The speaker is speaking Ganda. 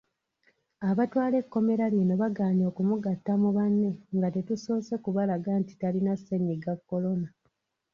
Abatwala ekkomera lino bagaanye okumugatta mu banne nga tetusoose kubalaga nti talina ssennyiga Kolona.